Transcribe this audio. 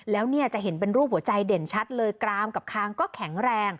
แล้วเนี่ยจะเห็นเป็นรูปหัวใจเด่นชัดเลยกรามกับคางก็แข็งแรง